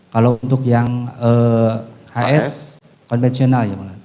kalau untuk yang hs konvensional ya mulia